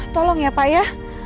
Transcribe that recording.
tolong ya pak ya